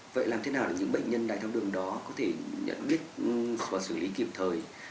vậy làm thế nào để những bệnh nhân đại thao đường đó có thể nhận biết và xử lý kịp thời